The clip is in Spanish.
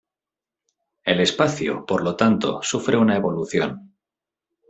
El espacio, por lo tanto, sufre una evolución.